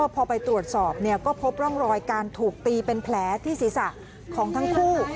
พอไปตรวจสอบก็พบร่องรอยการถูกตีเป็นแผลที่ศีรษะของทั้งคู่